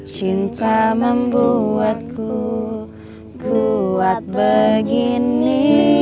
cinta membuatku kuat begini